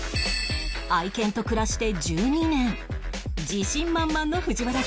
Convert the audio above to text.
愛犬と暮らして１２年自信満々の藤原くん